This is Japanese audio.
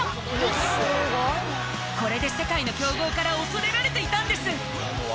これで世界の強豪から恐れられていたんです。